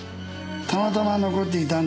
たまたま残っていたんですよ。